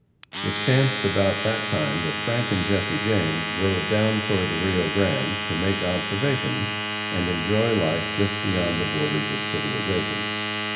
It chanced about that time that Frank and Jesse James rode down toward the Rio Grande to make observations, and enjoy life just beyond the borders of civilization.